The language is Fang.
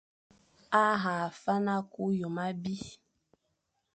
A hagha fana ku hyôm abî,